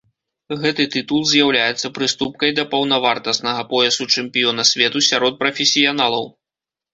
Гэты тытул з'яўляецца прыступкай да паўнавартаснага поясу чэмпіёна свету сярод прафесіяналаў.